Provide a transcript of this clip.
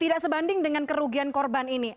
tidak sebanding dengan kerugian korban ini